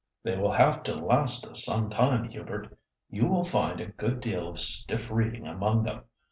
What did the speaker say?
"They will have to last us some time, Hubert; you will find a good deal of stiff reading among them.